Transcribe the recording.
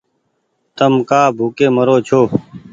تم ڪآ ڀوڪي مرو ڇو